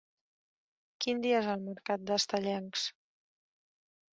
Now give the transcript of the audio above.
Quin dia és el mercat d'Estellencs?